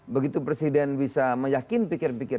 begitu presiden bisa meyakin pikir pikir